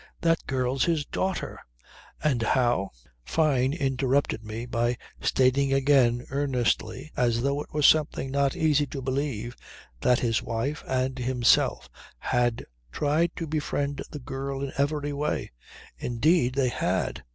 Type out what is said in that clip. That girl's his daughter. And how ..." Fyne interrupted me by stating again earnestly, as though it were something not easy to believe, that his wife and himself had tried to befriend the girl in every way indeed they had!